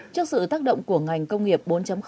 trước sự tác động của ngành công nghiệp bốn